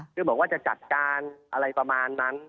แบบจะจัดการอะไรประมาณนั้น